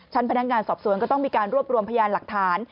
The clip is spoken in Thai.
พนักงานสอบสวนก็ต้องมีการรวบรวมพยานหลักฐาน